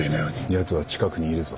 やつは近くにいるぞ。